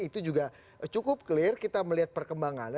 itu juga cukup clear kita melihat perkembangan